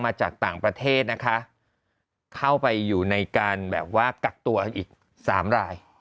มาจากต่างประเทศนะคะเข้าไปอยู่ในการแบบว่ากักตัวอีกสามราย